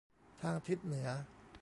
ทางทิศเหนือ